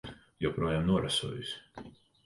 Joprojām norasojusi.